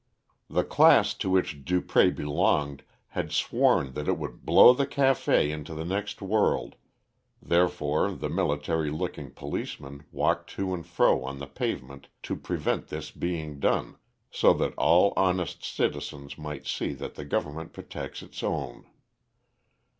The class to which Dupré belonged had sworn that it would blow the café into the next world, therefore the military looking policeman walked to and fro on the pavement to prevent this being done, so that all honest citizens might see that the Government protects its own.